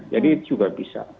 jadi juga bisa